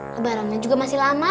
lebarannya juga masih lama